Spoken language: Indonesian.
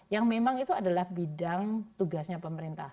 yang memang itu adalah bidang tugasnya pemerintah